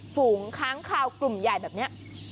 ฝูงค้างคาวกลุ่มใหญ่แบบนี้